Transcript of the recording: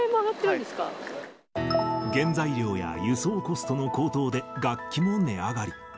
原材料や輸送コストの高騰で、楽器も値上がり。